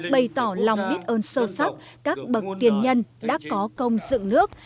bày tỏ lòng biết ơn sâu sắc các bậc tiền nhân đã có công dựng nước